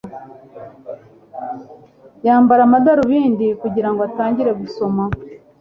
Yambara amadarubindi kugirango atangire gusoma.